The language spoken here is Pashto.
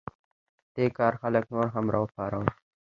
دې کار خلک نور هم راوپارول.